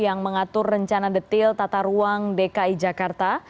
yang mengatur rencana detil tata ruang dki jakarta